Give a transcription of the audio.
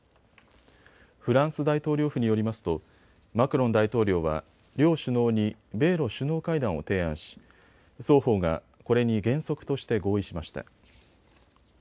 フランス大統領府によりますとマクロン大統領は両首脳に米ロ首脳会談を提案し双方がこれに原則として合意しました。